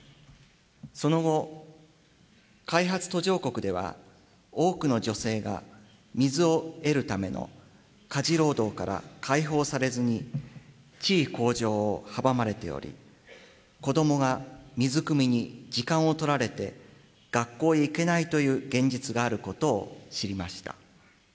その後、開発途上国では多くの女性が水を得るための家事労働から解放されずに、地位向上を阻まれており、子どもが水くみに時間を取られて学校へ行けないという現実があることを知りました。